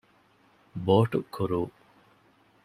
ބޯޓު ކުރޫ